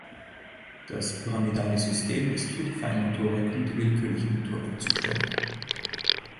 Das pyramidale System ist für die Feinmotorik und die willkürliche Motorik zuständig.